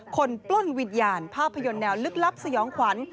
ปล้นวิญญาณภาพยนตร์แนวลึกลับสยองขวัญ